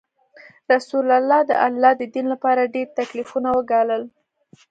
رسول الله د الله د دین لپاره ډیر تکلیفونه وګالل.